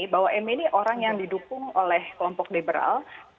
bahwa my ini orang yang didukung oleh kelompok liberal